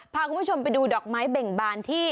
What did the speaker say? พาคุณผู้ชมไปดูดอกไม้เบ่งบานที่